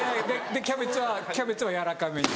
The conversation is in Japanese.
でキャベツはキャベツは軟らかめに。